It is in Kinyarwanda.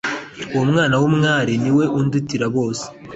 uwo mwana w'umwari niwe undutira bose